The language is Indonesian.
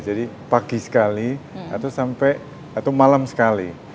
jadi pagi sekali atau sampai atau malam sekali